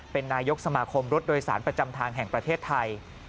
เป็นนายกสมาคมรถโดยสารประจำทางแห่งประเทศไทย